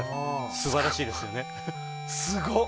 素晴らしいですよね。